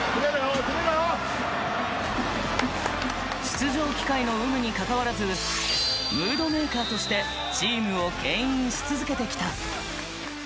出場機会の有無に関わらずムードメーカーとしてチームを牽引し続けてきた。